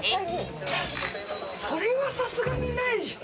それはさすがにないでしょ。